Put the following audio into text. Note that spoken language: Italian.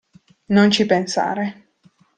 Non ci pensare.